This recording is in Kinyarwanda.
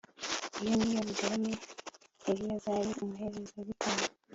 iyo ni yo migabane, eleyazari umuherezabitambo